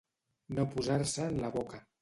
No posar-se en la boca.